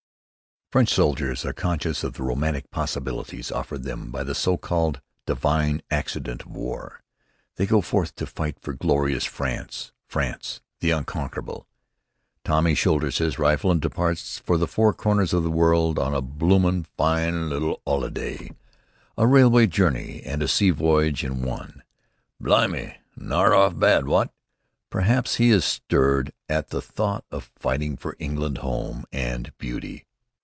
French soldiers are conscious of the romantic possibilities offered them by the so called "divine accident of war." They go forth to fight for Glorious France, France the Unconquerable! Tommy shoulders his rifle and departs for the four corners of the world on a "bloomin' fine little 'oliday!" A railway journey and a sea voyage in one! "Blimy! Not 'arf bad, wot?" Perhaps he is stirred at the thought of fighting for "England, Home, and Beauty."